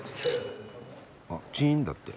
あっチーンだって。